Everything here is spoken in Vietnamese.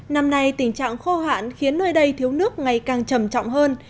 năm nay tình trạng khô hạn khiến nơi đây thiếu nước ngày càng trầm trọng hơn